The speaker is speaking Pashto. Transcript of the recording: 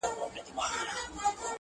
ته یې لور د شراب، زه مست زوی د بنګ یم.